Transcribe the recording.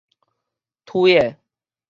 推的